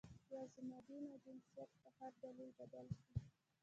یا زما دین او جنسیت په هر دلیل بدل شي.